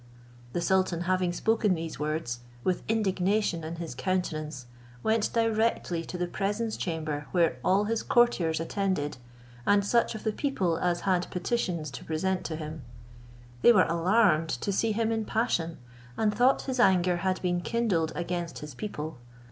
The sultan having spoken these words, with indignation in his countenance, went directly to the presence chamber where all his courtiers attended, and such of the people as had petitions to present to him. They were alarmed to see him in passion, and thought his anger had been kindled against his people.